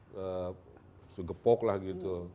terus gepok lah gitu